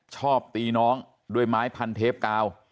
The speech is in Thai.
ชอบตีน้องด้วยไม้พันเทปกาว